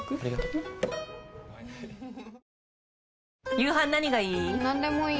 夕飯何がいい？